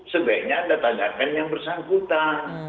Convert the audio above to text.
sebaiknya ada tanggapan yang bersangkutan